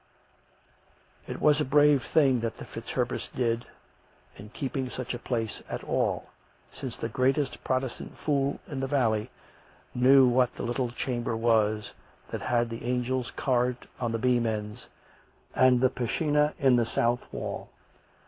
It was a brave thing that the Fitz Herberts did in keep ing such a place at all, since the greatest Protestant fool 62 COME RACK! COME ROPE! in the valley knew what the little chamber was that had the angels carved on the beam ends, and the piscina in the south wall.